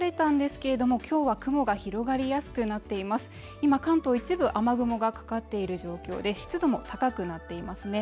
今、関東、一部雨雲がかかっている状況で湿度も高くなっていますね。